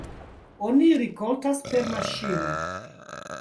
Oni rikoltas per maŝino.